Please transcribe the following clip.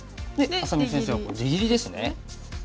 愛咲美先生は出切りですね。